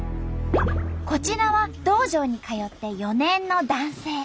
こちらは道場に通って４年の男性。